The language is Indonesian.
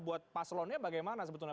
buat paselonnya bagaimana sebetulnya